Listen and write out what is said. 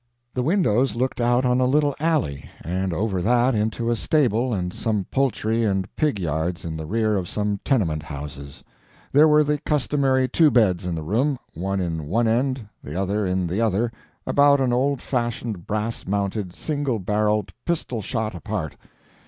The windows looked out on a little alley, and over that into a stable and some poultry and pig yards in the rear of some tenement houses. There were the customary two beds in the room, one in one end, the other in the other, about an old fashioned brass mounted, single barreled pistol shot apart.